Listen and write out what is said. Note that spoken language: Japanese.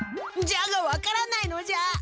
じゃが分からないのじゃ。